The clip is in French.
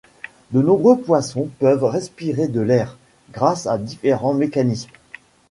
De nombreux poissons peuvent respirer de l'air, grâce à différents mécanismes.